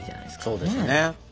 そうですね。